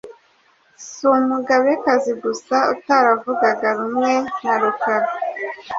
Si umugabekazi gusa utaravugaga rumwe na Rukara